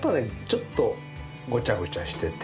ちょっとごちゃごちゃしてて。